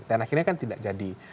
dan akhirnya kan tidak jadi